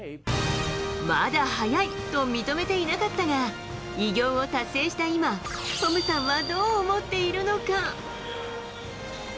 まだ早いと認めていなかったが、偉業を達成した今、トムさんはどう思っているのか。